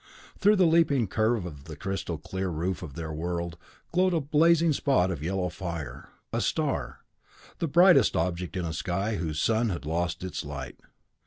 Through the leaping curve of the crystal clear roof of their world glowed a blazing spot of yellow fire. A star the brightest object in a sky whose sun had lost its light.